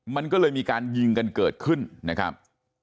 มันก็เลยมีการยิงกันเกิดขึ้นนะครับ